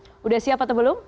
sudah siap atau belum